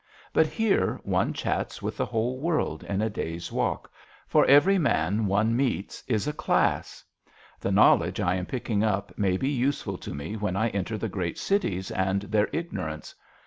But here one chats with the whole world in a day's walk, for every man one meets is a class, The knowledge I am picking up may be useful to me when I enter the great cities and their ignor ance.